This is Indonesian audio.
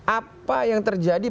apa yang terjadi